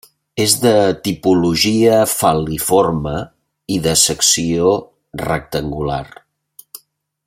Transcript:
És de tipologia fal·liforme i de secció rectangular.